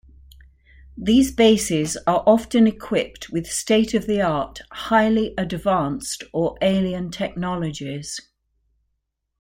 These bases are often equipped with state-of-the-art, highly advanced, or alien technologies.